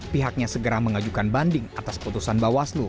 pihaknya segera mengajukan bahwa